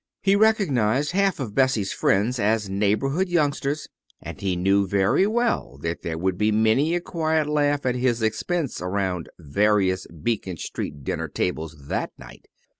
He recognized half of Bessie's friends as neighborhood youngsters, and he knew very well that there would be many a quiet laugh at his expense around various Beacon Street dinner tables that night.